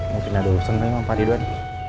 medina dulu seneng apa adi doan